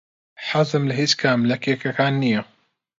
حەزم لە هیچ کام لە کێکەکان نییە.